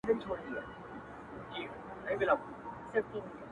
په موږ کي بند دی-